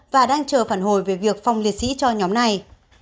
và đang chờ phản hồi về việc phong liệt sĩ cho nhóm này